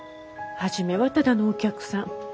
初めはただのお客さん。